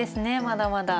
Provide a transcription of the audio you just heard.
まだまだ。